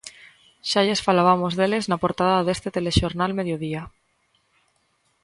Xa lles falabamos deles na portada deste Telexornal Mediodía.